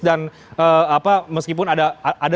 dan meskipun ada